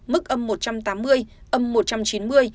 mức âm một trăm tám mươi âm một trăm chín mươi